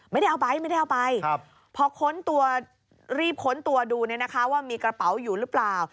ไม่ได้เอาไปพอค้นตัวรีบค้นตัวดูว่ามีกระเป๋าอยู่หรือเปล่า